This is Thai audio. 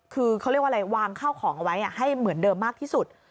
คือเขาเรียกว่าอะไรวางเข้าของเอาไว้ให้เหมือนเดิมมากที่สุด